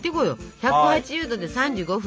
１８０℃で３５分。